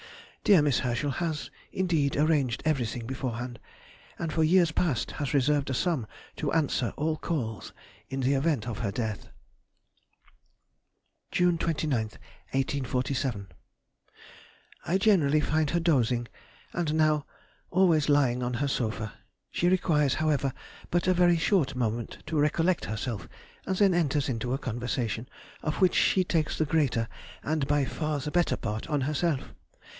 Dear Miss Herschel has, indeed, arranged everything beforehand; and for years past has reserved a sum to answer all calls in the event of her death. June 29, 1847. ... I generally find her dozing, and now always lying on her sofa; she requires, however, but a very short moment to recollect herself, and then enters into a conversation, of which she takes the greater and by far the better part on herself.